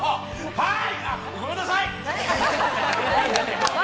はい！